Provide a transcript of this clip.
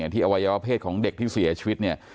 ที่อวัยวะเพศของเด็กที่เสียชีวิต